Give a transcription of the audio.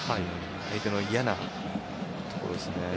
相手の嫌なところでした。